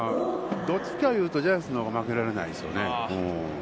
どっちかというとジャイアンツのほうが負けられないですね。